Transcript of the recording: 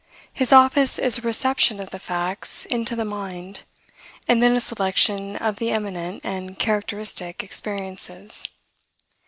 His office is a reception of the facts into the mind, and then a selection of the eminent and characteristic experiences.